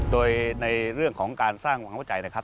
โดยในเรื่องของการสร้างความเข้าใจนะครับ